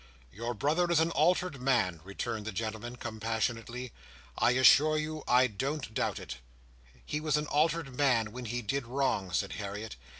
"Your brother is an altered man," returned the gentleman, compassionately. "I assure you I don't doubt it." "He was an altered man when he did wrong," said Harriet.